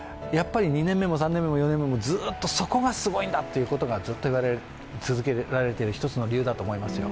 ２年目も３年目も４年目もずっとそこがすごいんだということがずっと言われ続けられている一つの理由だと思いますよ。